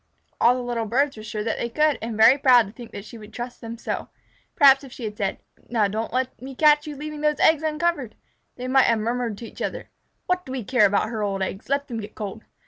All the little birds were sure that they could, and very proud to think that she would trust them so. Perhaps if she had said, "Now, don't you let me catch you leaving those eggs uncovered!" they might have murmured to each other, "What do we care about her old eggs? Let them get cold!"